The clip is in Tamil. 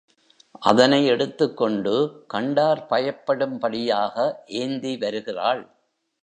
அதனை எடுத்துக் கொண்டு கண்டார் பயப்படும்படியாக ஏந்தி வருகிறாள்.